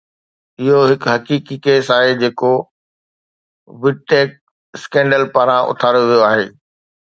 اهو هڪ حقيقي ڪيس آهي جيڪو Vidtech اسڪينڊل پاران اٿاريو ويو آهي